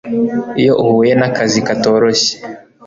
iyo uhuye nakazi katoroshye